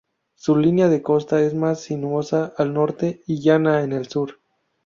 Su línea de costa es más sinuosa al norte y llana en el sur.